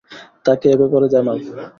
তাকে এ ব্যাপারে জানাও।